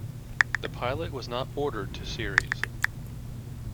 The pilot was not ordered to series.